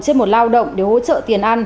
trên một lao động để hỗ trợ tiền ăn